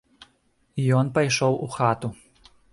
Ён пайшоў у хату.